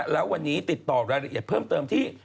แล้ววันนี้ติดต่อรายละเอียดเพิ่มเติมที่